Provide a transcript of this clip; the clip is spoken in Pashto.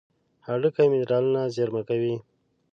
هډوکي منرالونه زیرمه کوي.